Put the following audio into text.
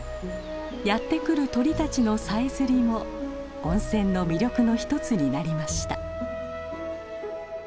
やって来る鳥たちのさえずりも温泉の魅力の一つになりました。